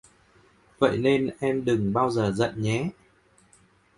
Vậy nên em đừng bao giờ giận nhé